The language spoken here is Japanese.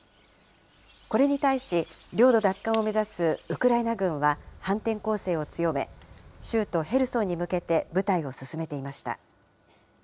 これに対し、領土奪還を目指すウクライナ軍は反転攻勢を強め、州都ヘルソンに向けて部隊を進めていました。